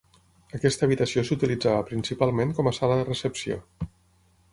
Aquesta habitació s'utilitzava principalment com a sala de recepció.